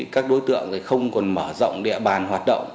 các đối tượng không còn mở rộng địa bàn hoạt động